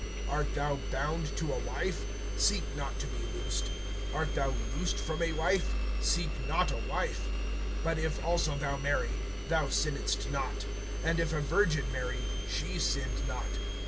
(27)Art thou bound to a wife? Seek not to be loosed. Art thou loosed from a wife? Seek not a wife. (28)But if also thou marry, thou sinnedst not; and if a virgin marry, she sinned not.